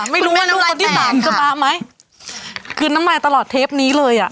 ไม่รู้ว่าน้ีสามจะบาร์ว์ไหมคือแม่มากตลอดเทปนี้เลยอ่ะ